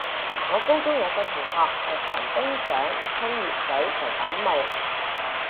我高中有個同學係寒冰掌，沖熱水就感冒